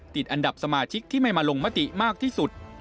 ติดอันดับสมาชิกที่ไม่มาลงมติมากที่สุด